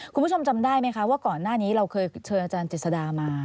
คุณผู้ชมจำได้ไหมคะว่าก่อนหน้านี้เราเคยเชิญอาจารย์เจษดามา